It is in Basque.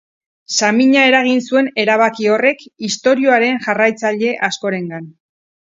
Samina eragin zuen erabaki horrek istorioaren jarraitzaile askorengan.